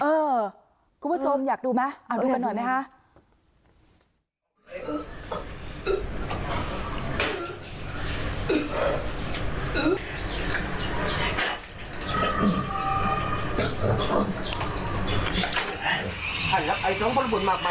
เออคุณผู้ชมอยากดูมั้ยเอาดูกันหน่อยไหมฮะ